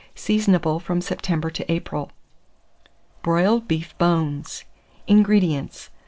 Seasonable from September to April. BROILED BEEF BONES. 614. INGREDIENTS.